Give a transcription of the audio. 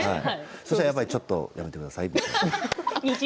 そしたら、やっぱりやめてくださいと。